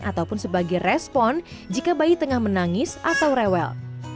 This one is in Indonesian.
ataupun sebagai respon jika bayi tengah menangis atau rewel